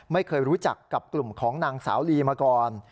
ไม่เคยรู้จักกับกลุ่มของนางสาวลีมาก่อน